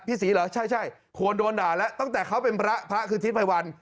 ศรีเหรอใช่ควรโดนด่าแล้วตั้งแต่เขาเป็นพระพระคือทิศภัยวัน